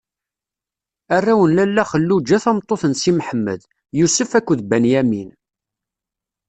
Arraw n Lalla Xelluǧa tameṭṭut n Si Mḥemmed: Yusef akked Binyamin.